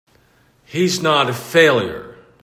He's not a failure!